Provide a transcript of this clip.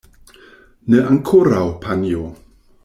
Ne ankoraŭ, panjo.